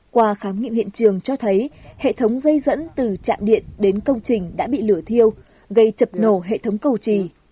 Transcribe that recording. qua khám nghiệm hiện trường cho thấy hệ thống dây dẫn từ trạm điện đến công trình đã bị lửa thiêu gây chập nổ hệ thống cầu trì